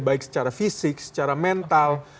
baik secara fisik secara mental